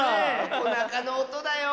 おなかのおとだよ。